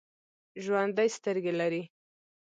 ژوندي سترګې لري